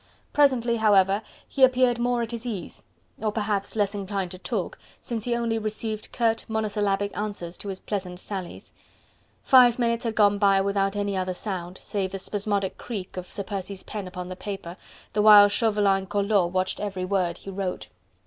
Presently, however, he appeared more at his ease, or perhaps less inclined to talk, since he only received curt monosyllabic answers to his pleasant sallies. Five minutes had gone by without any other sound, save the spasmodic creak of Sir Percy's pen upon the paper, the while Chauvelin and Collot watched every word he wrote.